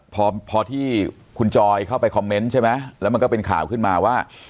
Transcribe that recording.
พอพอที่คุณจอยเข้าไปคอมเมนต์ใช่ไหมแล้วมันก็เป็นข่าวขึ้นมาว่า